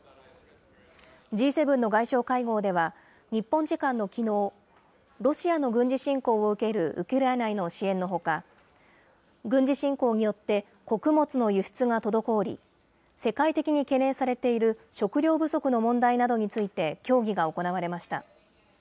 Ｇ７の外相会合では、日本時間のきのう、ロシアの軍事侵攻を受けるウクライナへの支援のほか、軍事侵攻によって穀物の輸出が滞り、世界的に懸念されている食糧不足の問題などについて協議が行われました。